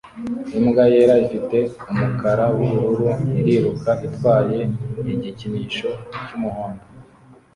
Imbwa yera ifite umukara wubururu iriruka itwaye igikinisho cyumuhondo